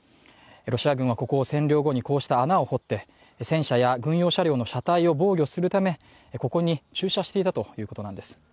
ロシア軍はここを占領後にこうした穴を掘って戦車や軍用車両の車体を防御するためここに駐車していたということなんです。